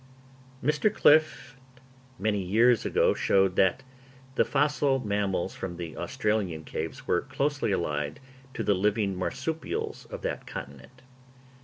_ Mr. Clift many years ago showed that the fossil mammals from the Australian caves were closely allied to the living marsupials of that continent.